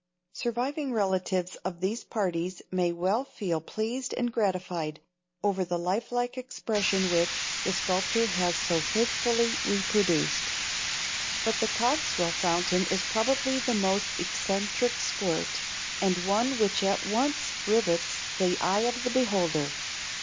Surviving relatives of these parties may well feel pleased and gratified over the life like expression which, the sculptor has so faithfully reproduced. But the Coggswell fountain is probably the most eccentric squirt, and one which at once rivets the eye of the beholder.